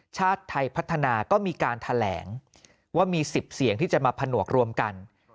ชาติไทยพัฒนาก็มีการแถลงว่ามี๑๐เสียงที่จะมาผนวกรวมกัน